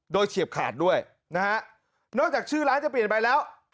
โดยเฉียบขาดด้วยนะฮะนอกจากชื่อร้านจะเปลี่ยนไปแล้ว